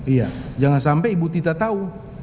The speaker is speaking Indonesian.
iya jangan sampai ibu tita tahu